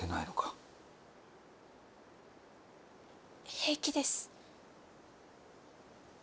平気です。